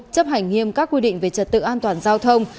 chấp hành nghiêm các quy định về trật tự an toàn giao thông